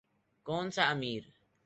کون سا امیر۔